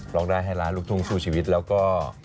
รองรันให้ร้านลูกทุมสู้ชีวิตแล้วก็